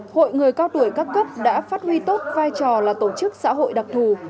hội người cao tuổi các cấp đã phát huy tốt vai trò là tổ chức xã hội đặc thù